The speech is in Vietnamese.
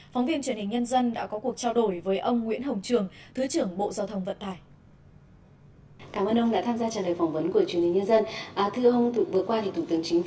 phóng viên truyền hình nhân dân đã có cuộc trao đổi với ông nguyễn hồng trường thứ trưởng bộ giao thông vận tải